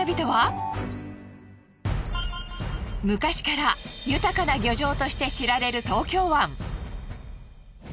昔から豊かな漁場として知られる東京湾。